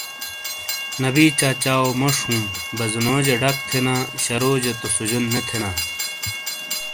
نبی چچاو موش ہوں بزنوجاڈک تھینا شروجہ تو سوجن نے تھینا ۔